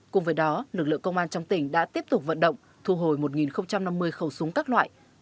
cùng với đó lực lượng công an trong tỉnh đã tiếp tục vận động thu hồi một năm mươi khẩu súng các loại